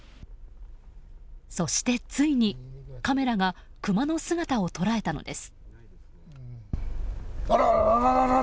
そして、ついにカメラがクマの姿を捉えたのです。